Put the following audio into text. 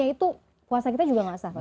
jadi itu puasa kita juga gak sah